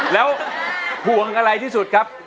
แล้วห่วงอะไรที่สุดครับ